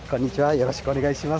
よろしくお願いします。